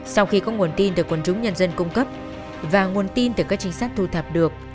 sau khi có nguồn tin từ quần chúng nhân dân cung cấp và nguồn tin từ các trinh sát thu thạp được